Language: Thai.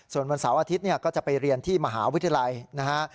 ส่วนวันเสาร์อาทิตย์ก็จะไปเรียนที่มหาวิทยาลัยนะฮะ